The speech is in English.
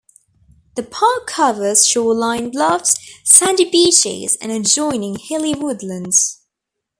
The park covers shoreline bluffs, sandy beaches and adjoining hilly woodlands.